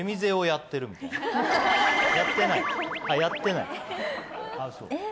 やってない？